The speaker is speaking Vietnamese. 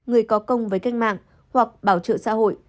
người có công với cách mạng hoặc bảo trợ xã hội